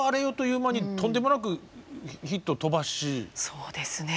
そうですね。